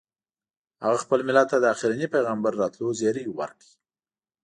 هغه خپل ملت ته د اخرني پیغمبر راتلو زیری ورکړ.